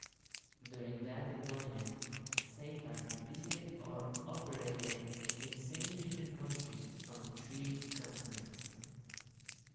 During that deployment, "Saipan" visited or operated in seven different countries on three continents.